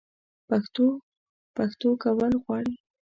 پښتو؛ پښتو کول غواړي